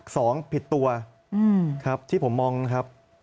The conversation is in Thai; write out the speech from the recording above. ผิดตัวครับที่ผมมองนะครับ